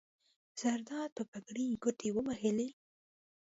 زرداد په پګړۍ ګوتې ووهلې.